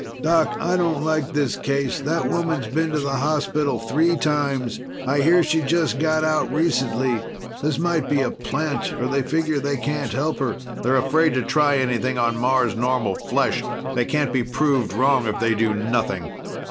Doc, I don't like this case. That woman's been to the hospital three times. I hear she just got out recently. This might be a plant, or they figure they can't help her." "They're afraid to try anything on Mars normal flesh. They can't be proved wrong if they do nothing."